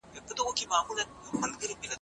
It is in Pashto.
هیلې په ډېرې ناهیلۍ خپلې شونډې یو ځای کړې.